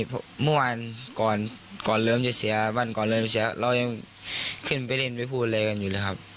เพราะเมื่อวานก่อนเริ่มจะเสียวันก่อนเริ่มเสียเรายังขึ้นไปเล่นไปพูดอะไรกันอยู่เลยครับ